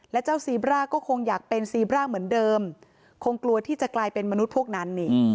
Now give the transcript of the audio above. และเจ้าซีบร่าก็คงอยากเป็นซีบร่าเหมือนเดิมคงกลัวที่จะกลายเป็นมนุษย์พวกนั้นนี่